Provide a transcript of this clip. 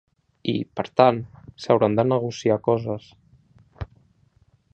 I, per tant, s’hauran de negociar coses.